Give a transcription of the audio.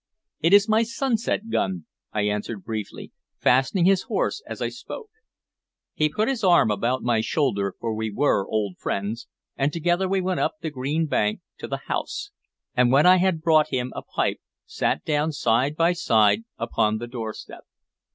"It is my sunset gun," I answered briefly, fastening his horse as I spoke. He put his arm about my shoulder, for we were old friends, and together we went up the green bank to the house, and, when I had brought him a pipe, sat down side by side upon the doorstep.